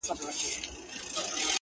یو ګړی له وهمه نه سوای راوتلای،